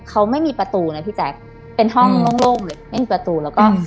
เขาไม่มีประตูนะพี่แจ๊คเป็นห้องโล่งเลยไม่มีประตูแล้วก็